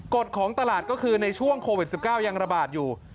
กฎของตลาดก็คือในช่วงโควิด๑๙ยังระบาดอยู่